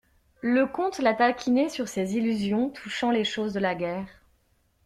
Le comte la taquinait sur ses illusions touchant les choses de la guerre.